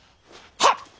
はっ！